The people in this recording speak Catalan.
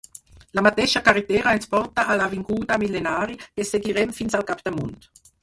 La mateixa carretera ens porta a l'avinguda Mil·lenari, que seguirem fins al capdamunt.